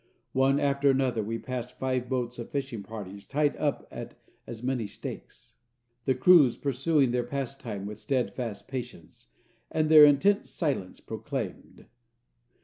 One after another, we passed five boats of fishing parties tied up at as many stakes, the crews pursuing their pastime with steadfast patience, as their intent silence proclaimed.